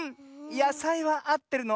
やさいはあってるの。